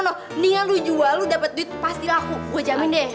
mendingan lo jual lo dapet duit pasti laku gue jamin deh